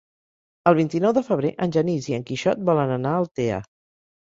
El vint-i-nou de febrer en Genís i en Quixot volen anar a Altea.